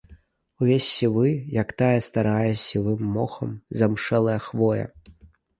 Увесь сівы, як тая старая, сівым мохам замшэлая хвоя.